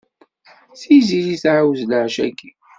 Tiziri tɛawez leɛca-ayyi.